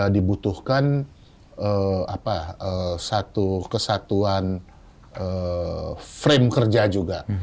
dibutuhkan satu kesatuan frame kerja juga